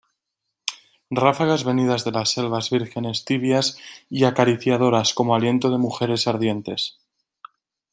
ráfagas venidas de las selvas vírgenes, tibias y acariciadoras como aliento de mujeres ardientes